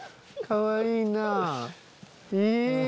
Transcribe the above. かわいいなあ！